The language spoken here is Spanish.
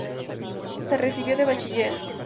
Se recibió de bachiller.